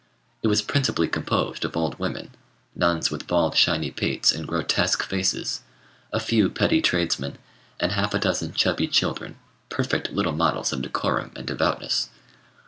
It was principally composed of old women, nuns with bald shiny pates and grotesque faces, a few petty tradesmen, and half a dozen chubby children, perfect little models of decorum and devoutness.